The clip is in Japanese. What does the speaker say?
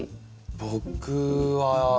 僕は。